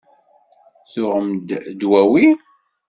Tuɣem-d dwawi?